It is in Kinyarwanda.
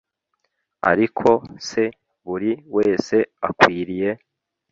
ariko se buri wese akwiriye